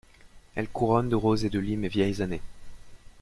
Elle couronne de roses et de lis mes vieilles années.